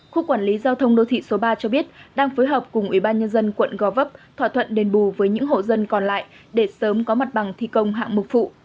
khu quản lý giao thông đô thị số ba cho biết đang phối hợp cùng ubnd quận gò vấp thỏa thuận đền bù với những hộ dân còn lại để sớm có mặt bằng thi công hạng mục phụ